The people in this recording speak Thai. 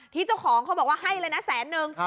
เจ้าของเขาบอกว่าให้เลยนะแสนนึง